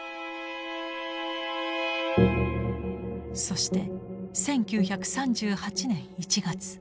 そして１９３８年１月。